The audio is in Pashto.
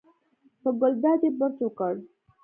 په ګلداد یې بړچ وکړ.